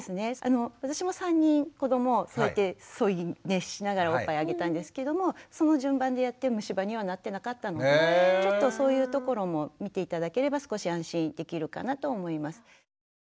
私も３人子ども添い寝しながらおっぱいあげたんですけどもその順番でやって虫歯にはなってなかったのでちょっとそういうところも見て頂ければ少し安心できるかなと思います。